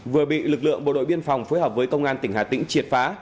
vừa bị lực lượng bộ đội biên phòng phối hợp với công an tỉnh hà tĩnh triệt phá